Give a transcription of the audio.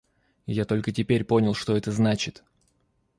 Я только теперь понял, что это значит.